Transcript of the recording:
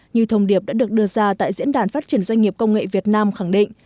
như thông điệp đã được đưa ra tại diễn đàn phát triển doanh nghiệp công nghệ việt nam khẳng định